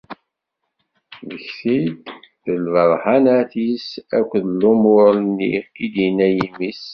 Mmektit-d d lberhanat-is akked lumuṛ nni i d-inna yimi-s.